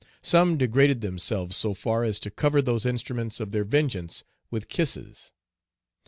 Some degraded themselves so far as to cover those instruments of their vengeance with kisses.